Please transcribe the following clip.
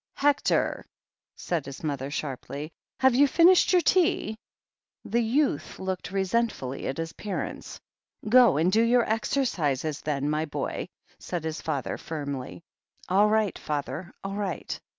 "Hector," said his mother sharply, "have you fin ished your tea?" The youth looked resentfully at his parents. "Go and do your exercises then, my boy," said his father firmly. "All right, father, all right."